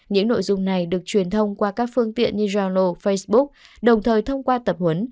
những nội dung này được truyền thông qua các phương tiện như yalo facebook đồng thời thông qua tập huấn